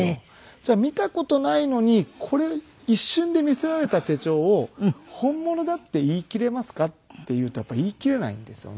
「じゃあ見た事ないのに一瞬で見せられた手帳を本物だって言いきれますか？」って言うとやっぱり言いきれないんですよね。